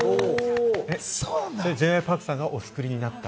Ｊ．Ｙ．Ｐａｒｋさんがお作りになった？